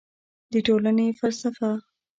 د ټولنې فلسفه